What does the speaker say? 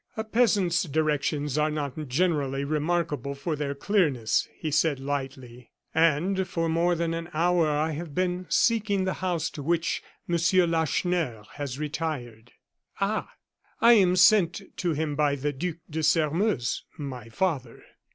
"A peasant's directions are not generally remarkable for their clearness," he said, lightly; "and for more than an hour I have been seeking the house to which Monsieur Lacheneur has retired." "Ah!" "I am sent to him by the Duc de Sairmeuse, my father."